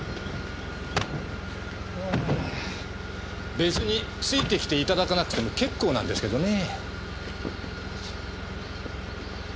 別について来ていただかなくても結構なんですけどねぇ。